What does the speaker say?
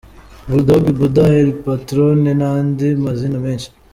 Bull Dogg, Budha, El Patrone n'andi mazina menshi.